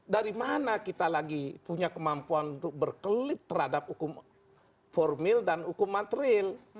dari mana kita lagi punya kemampuan untuk berkelip terhadap hukum formil dan hukum materil